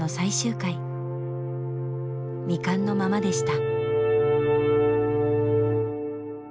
未完のままでした。